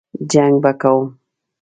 جنګ به کوم.